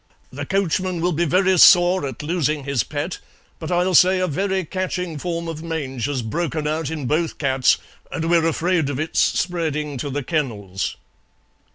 The coachman will be very sore at losing his pet, but I'll say a very catching form of mange has broken out in both cats and we're afraid of it spreading to the kennels."